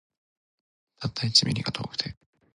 たった一ミリが遠くて